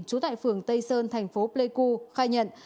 trú tại phường tây sơn thành phố pleiku khai nhận